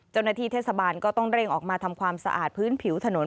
เจ้าหน้าที่เทศบาลก็ต้องเร่งออกมาทำความสะอาดพื้นผิวถนน